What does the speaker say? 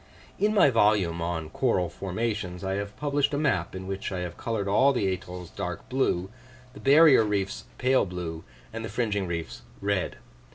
In my volume on "Coral Formations" I have published a map, in which I have coloured all the atolls dark blue, the barrier reefs pale blue, and the fringing reefs red.